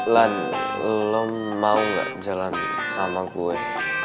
lan lo mau gak jalan sama gue